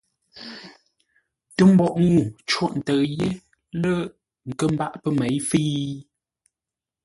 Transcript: Tə mboʼ ŋuu côghʼ ntə̂ʉ yé lə̂ nkə́ mbâʼ pə́ měi fə́i?